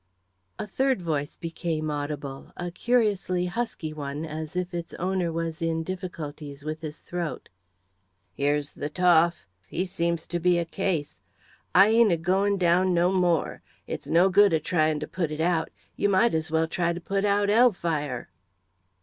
A third voice became audible a curiously husky one, as if its owner was in difficulties with his throat. "Here's the Toff he seems to be a case. I ain't a going down no more. It's no good a trying to put it out you might as well try to put out 'ell fire!"